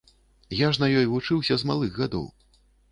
Я ж на ёй вучыўся з малых гадоў.